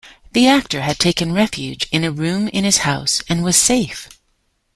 The actor had taken refuge in a room in his home and was safe.